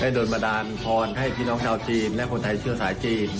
โดนบันดาลพรให้พี่น้องชาวจีนและคนไทยเชื้อสายจีน